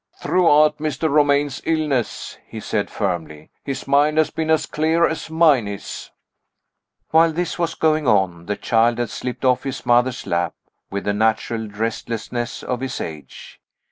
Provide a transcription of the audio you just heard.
"Throughout Mr. Romayne's illness," he said firmly, "his mind has been as clear as mine is." While this was going on, the child had slipped off his mother's lap, with the natural restlessness of his age.